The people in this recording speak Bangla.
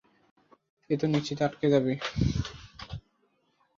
এ তো নিশ্চিত আটকে যাবে।